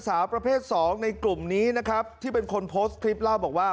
สาวประเภทสองในกลุ่มนี้นะครับที่เป็นคนโพสต์คลิปเล่าบอกว่า